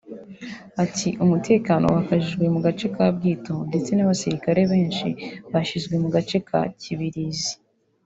Ati “ Umutekano wakajijwe mu gace ka Bwito ndetse n’abasirikare benshi bashyizwe mu gace ka Kibirizi